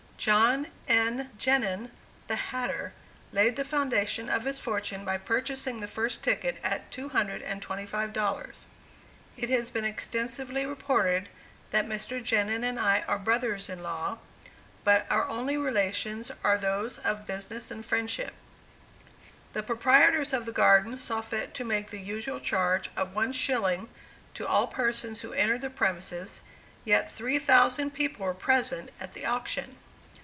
John N. Genin, the hatter, laid the foundation of his fortune by purchasing the first ticket at $225. It has been extensively reported that Mr. Genin and I are brothers in law, but our only relations are those of business and friendship. The proprietors of the Garden saw fit to make the usual charge of one shilling to all persons who entered the premises, yet three thousand people were present at the auction.